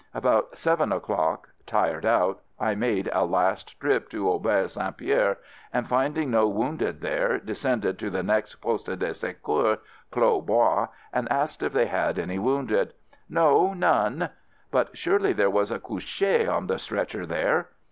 About seven o'clock — tired out — I made a last trip to Au berge St. Pierre, and rinding no wounded there, descended to the next poste de se cour, Clos Bois, and asked if they had any wounded — "No — none." "But surely there was a couche on the stretcher there?"